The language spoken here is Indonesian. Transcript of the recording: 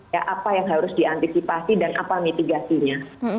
ya apa yang harus diantisipasi dan apa mitigasinya